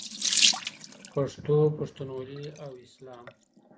پښتو، پښتونولي او اسلام.